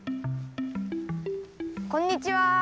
こんにちは。